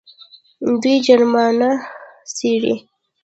دوی جرمونه څیړي.